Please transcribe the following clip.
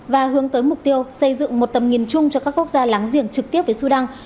và hướng tới mục tiêu xây dựng một tầm nhìn chung cho các quốc gia láng giềng trực tiếp với sudan